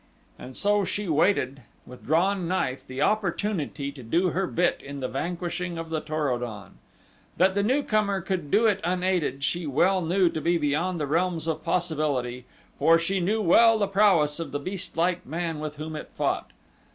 And so she waited, with drawn knife, the opportunity to do her bit in the vanquishing of the Tor o don. That the newcomer could do it unaided she well knew to be beyond the realms of possibility, for she knew well the prowess of the beastlike man with whom it fought.